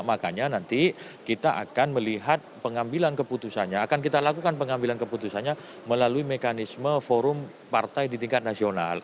makanya nanti kita akan melihat pengambilan keputusannya akan kita lakukan pengambilan keputusannya melalui mekanisme forum partai di tingkat nasional